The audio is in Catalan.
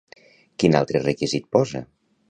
Quin altre requisit posa?